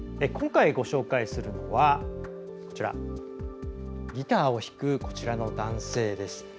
今回、ご紹介するのはギターを弾くこちらの男性です。